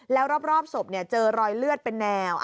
แล้วรอบศพเจอรอยเลือดเป็นแนว